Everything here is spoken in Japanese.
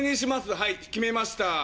はい決めました。